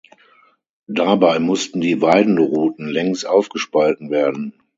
Dabei mussten die Weidenruten längs aufgespalten werden.